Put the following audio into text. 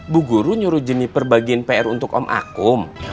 bu guru nyuruh jeniper bagiin pr untuk om akum